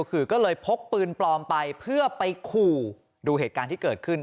คือก็เลยพกปืนปลอมไปเพื่อไปขู่ดูเหตุการณ์ที่เกิดขึ้น